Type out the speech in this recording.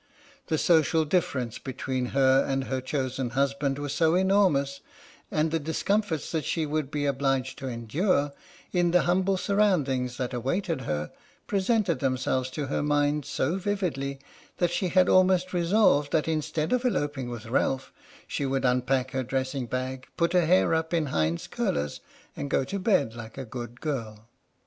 The social difference between her and her chosen husband was so enormous, and the discom forts that she would be obliged to endure in the humble surroundings that awaited her presented themselves to her mind so vividly, that she had almost resolved that instead of eloping with Ralph, she would unpack her dressing bag, put her hair up in Hinde's curlers, and go to bed like a good girl.